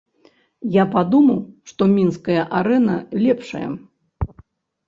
Я падумаў, што мінская арэна лепшая.